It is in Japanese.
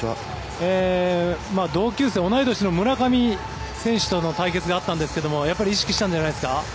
同級生、同い年の村上選手との対決があったんですけどもやっぱり意識したんじゃないですか。